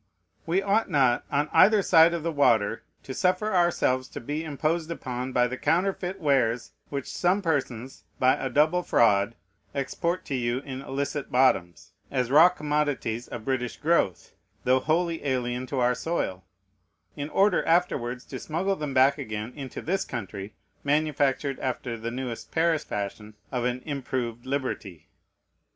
We ought not, on either side of the water, to suffer ourselves to be imposed upon by the counterfeit wares which some persons, by a double fraud, export to you in illicit bottoms, as raw commodities of British growth, though wholly alien to our soil, in order afterwards to smuggle them back again into this country, manufactured after the newest Paris fashion of an improved liberty.